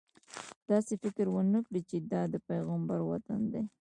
داسې فکر ونه کړې چې دا د پیغمبر وطن دی.